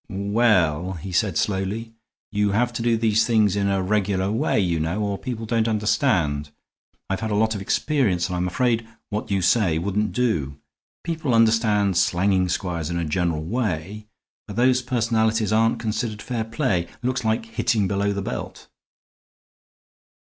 "Well," he said, slowly, "you have to do these things in a regular way, you know, or people don't understand. I've had a lot of experience, and I'm afraid what you say wouldn't do. People understand slanging squires in a general way, but those personalities aren't considered fair play. Looks like hitting below the belt."